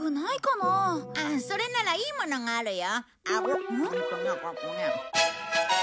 ああそれならいいものがあるよ。